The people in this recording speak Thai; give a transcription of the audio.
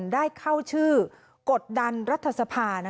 ได้เข้าชื่อกดดันรัฐสภา